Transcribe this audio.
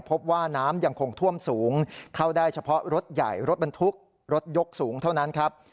พบว่าน้ำยังคงท่วมสูงเข้าได้เฉพาะรถใหญ่รถบรรทุกรถยกสูงเท่านั้นครับ